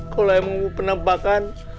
kalo emang bu penampakan